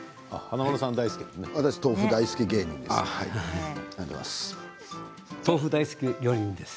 豆腐大好き芸人です。